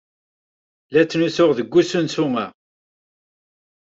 La ttnusuɣ deg usensu-a.